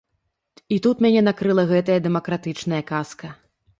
І тут мяне накрыла гэтая дэмакратычная казка!